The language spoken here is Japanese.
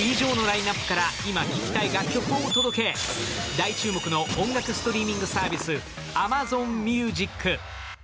大注目の音楽ストリーミングサービス、ＡｍａｚｏｎＭｕｓｉｃ。